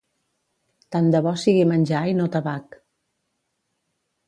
Tant de bo sigui menjar i no tabac.